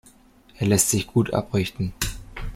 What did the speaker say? Er lässt sich gut abrichten.